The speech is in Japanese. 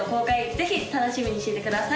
ぜひ楽しみにしててください